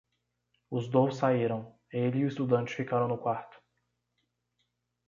Os dous saíram, ele e o estudante ficaram no quarto.